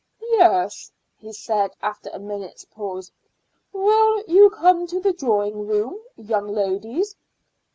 "Yes," he said after a minute's pause. "Will you come to the drawing room, young ladies?"